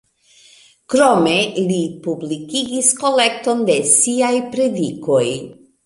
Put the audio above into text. Krome li publikigis kolekton de siaj predikoj.